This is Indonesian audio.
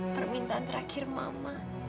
permintaan terakhir mama